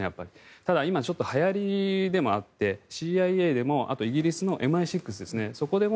ただ、今ちょっとはやりでもあってＣＩＡでもあとイギリスのＭＩ６でも